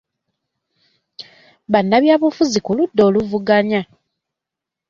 Bannabyabufuzi ku ludda oluvuganya.